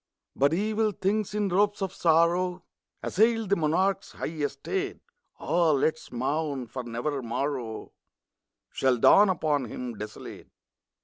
But evil things, in robes of sorrow, Assailed the monarch's high estate. (Ah, let us mourn! for never morrow Shall dawn upon him desolate